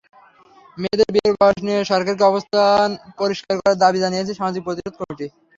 মেয়েদের বিয়ের বয়স নিয়ে সরকারকে অবস্থান পরিষ্কার করার দাবি জানিয়েছে সামাজিক প্রতিরোধ কমিটি।